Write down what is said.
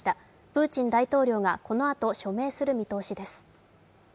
プーチン大統領がこのあと署名する見通しです。